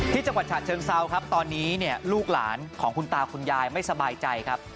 จังหวัดฉะเชิงเซาครับตอนนี้เนี่ยลูกหลานของคุณตาคุณยายไม่สบายใจครับ